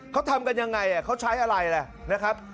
เขาทำกันยังไงเขาใช้อะไรล่ะนะครับ